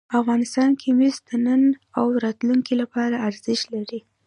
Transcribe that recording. افغانستان کې مس د نن او راتلونکي لپاره ارزښت لري.